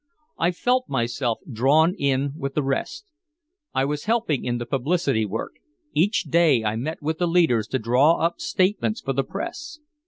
I felt myself drawn in with the rest. I was helping in the publicity work, each day I met with the leaders to draw up statements for the press.